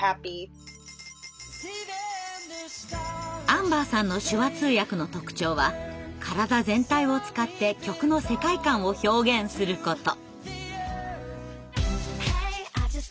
アンバーさんの手話通訳の特徴は体全体を使って曲の世界観を表現すること。